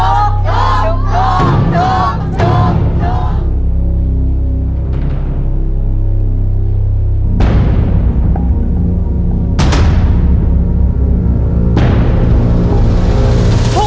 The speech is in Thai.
ถูกถูกถูกถูกถูก